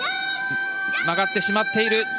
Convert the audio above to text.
曲がってしまっている。